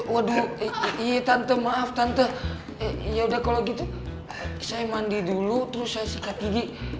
waduh iya tante maaf tante yaudah kalau gitu saya mandi dulu terus saya sikat gigi